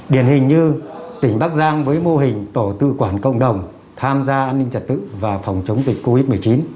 điển hình như tỉnh bắc giang với mô hình tổ tự quản cộng đồng tham gia an ninh trật tự và phòng chống dịch covid một mươi chín